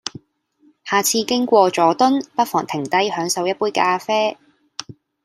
下次經過佐敦，不妨停低享受一杯咖啡